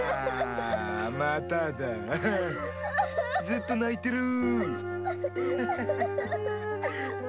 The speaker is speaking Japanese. ずっと泣いてろ。